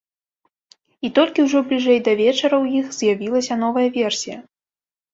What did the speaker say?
І толькі ўжо бліжэй да вечара ў іх з'явілася новая версія.